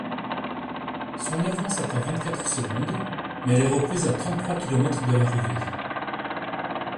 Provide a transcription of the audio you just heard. Son avance atteint vingt-quatre secondes, mais elle est reprise à trente-trois kilomètres de l'arrivée.